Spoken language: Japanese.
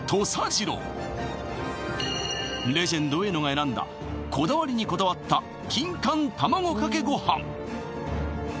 ジローレジェンド上野が選んだこだわりにこだわったキンカン卵かけごはん